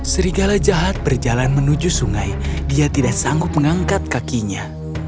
serigala jahat berjalan menuju sungai dia tidak sanggup mengangkat kakinya